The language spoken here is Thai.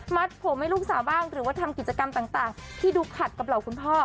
ผมให้ลูกสาวบ้างหรือว่าทำกิจกรรมต่างที่ดูขัดกับเหล่าคุณพ่อ